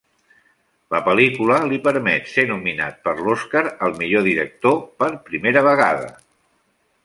La pel·lícula li permet ser nominat per l'Oscar al millor director per primera vegada.